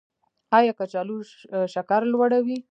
ایا کچالو شکر لوړوي؟